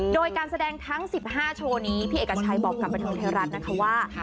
โดยการแสดงทั้ง๑๕โชว์นี้พี่เอกชัยบอกกับบันเทิงไทยรัฐนะคะว่า